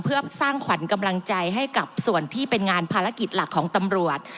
เพื่อสร้างขวัญกำลังใจให้กับส่วนที่เป็นงานภารกิจหลักของตำรวจ